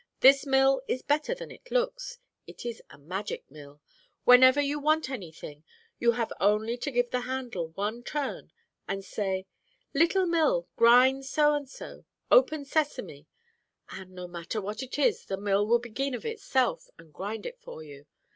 This mill is better than it looks. It is a magic mill. Whenever you want any thing, you have only to give the handle one turn, and say, "Little mill, grind so and so, open sesame," and, no matter what it is, the mill will begin of itself and grind it for you.